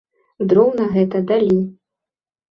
Дроў за гэта далі.